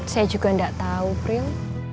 saya juga tidak tahu prill